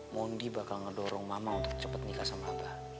mondi bakal ngedorong mama untuk cepat nikah sama abah